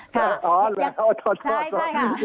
อ๋อแบบใช่ค่ะ